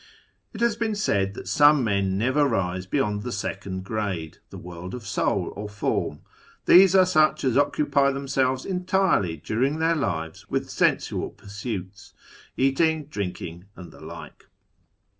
It has been said that some men never rise beyond the second grade — the World of Soul or Form. These are such as occupy themselves entirely during their lives with sensual pursuits — eating, drinking, and the like.